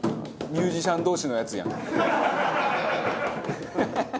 ミュージシャン同士の。